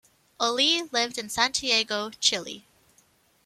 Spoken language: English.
Olea lived in Santiago, Chile.